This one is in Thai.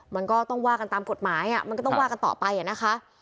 มันก็ต้องว่ากันตามกฎหมายมันก็ต้องว่ากันต่อไปนะคะ